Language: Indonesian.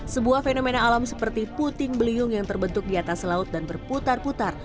sebuah fenomena alam seperti puting beliung yang terbentuk di atas laut dan berputar putar